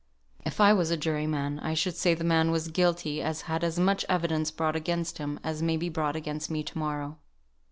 If I was a jury man, I should say the man was guilty as had as much evidence brought against him as may be brought against me to morrow.